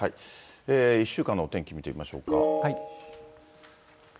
１週間のお天気見ていきましょうか。